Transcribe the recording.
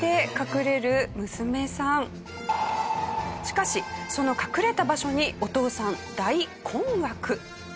しかしその隠れた場所にお父さん大困惑。